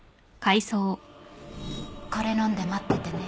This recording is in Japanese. これ飲んで待っててね